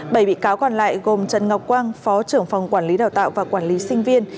bảy bị cáo còn lại gồm trần ngọc quang phó trưởng phòng quản lý đào tạo và quản lý sinh viên